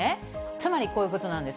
つまりこういうことなんです。